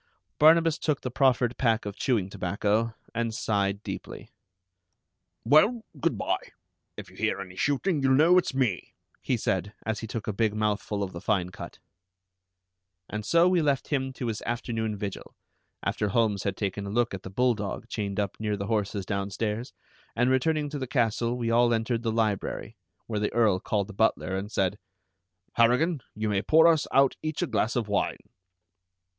Barnabas took the proffered pack of chewing tobacco, and sighed deeply. "Well, good by. If you hear any shooting, you'll know it's me," he said, as he took a big mouthful of the fine cut. And so we left him to his afternoon vigil, after Holmes had taken a look at the bulldog chained up near the horses downstairs, and returning to the castle we all entered the library, where the Earl called the butler, and said: "Harrigan, you may pour us out each a glass of wine."